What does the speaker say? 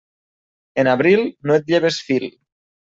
En abril no et lleves fil.